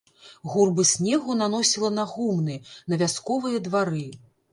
Гурбы снегу наносіла на гумны, на вясковыя двары.